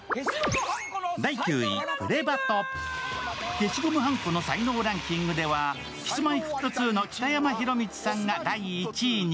消しゴムはんこの才能ランキングでは、Ｋｉｓ−Ｍｙ−Ｆｔ２の北山宏光さんが第１位に。